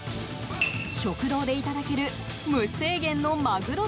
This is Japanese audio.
食堂でいただける無制限のマグロ